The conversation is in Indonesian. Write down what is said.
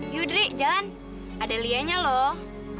yudri jalan ada lia nya loh